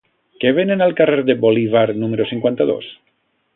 Què venen al carrer de Bolívar número cinquanta-dos?